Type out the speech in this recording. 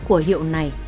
của hiệu này